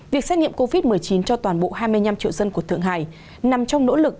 việc xét nghiệm covid một mươi chín cho toàn bộ hai mươi năm triệu dân của thượng hải nằm trong nỗ lực